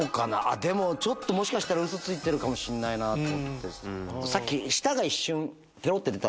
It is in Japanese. でももしかしたらウソついてるかもしんないと思って。